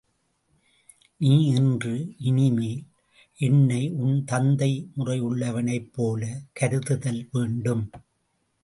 நீ இன்று இனிமேல் என்னை உன் தந்தை முறையுள்ளவனைப் போலக் கருதுதல் வேண்டும்.